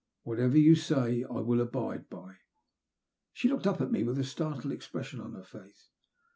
Whatever you say I will abide by." She looked up at me with a startled expression on her face.